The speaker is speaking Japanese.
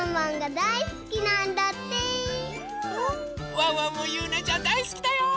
ワンワンもゆうなちゃんだいすきだよ！